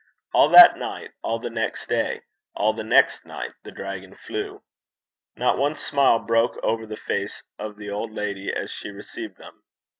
All that night, all the next day, all the next night, the dragon flew. Not one smile broke over the face of the old lady as she received them.